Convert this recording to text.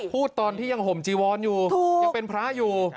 พูดตอนที่ยังห่มจีวรอยู่ยังเป็นพระอยู่